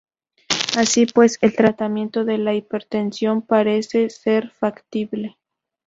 Así pues, el tratamiento de la hipertensión parece ser factible.